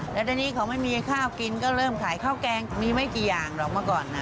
แล้วทีนี้เขาไม่มีข้าวกินก็เริ่มขายข้าวแกงมีไม่กี่อย่างหรอกเมื่อก่อนนะ